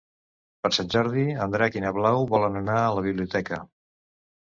Per Sant Jordi en Drac i na Blau volen anar a la biblioteca.